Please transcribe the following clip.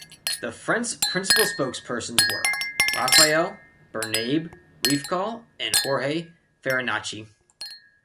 The Frente's principal spokespersons were Rafael Bernabe Riefkohl and Jorge Farinacci.